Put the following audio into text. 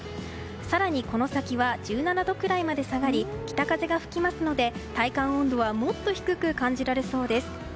更にこの先は１７度ぐらいまで下がり北風が吹きますので体感温度はもっと低く感じられそうです。